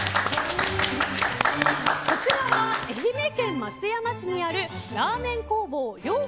こちらは愛媛県松山市にあるらーめん工房りょう